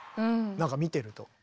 なんか見てると。